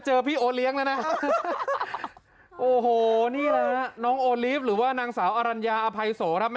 เหมือนคุยคนละเรื่องเลยนะคุณผู้ชม